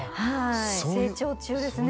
成長中ですね。